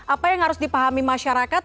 apa yang harus dipahami masyarakat